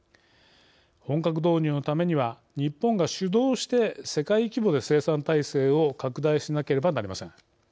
本格導入のためには日本が主導して世界規模で生産体制を拡大しなければなりません。